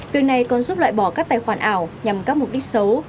việc này còn giúp loại bỏ các tài khoản ảo nhằm các mục đích xấu